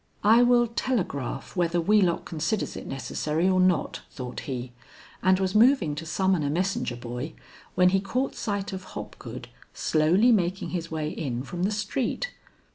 "I will telegraph whether Wheelock considers it necessary or not," thought he, and was moving to summon a messenger boy when he caught sight of Hopgood slowly making his way in from the street.